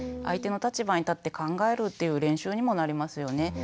相手の立場に立って考えるっていう練習にもなりますよね。